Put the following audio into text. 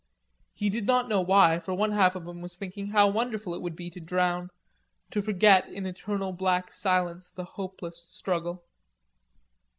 He did not know why, for one half of him was thinking how wonderful it would be to drown, to forget in eternal black silence the hopeless struggle.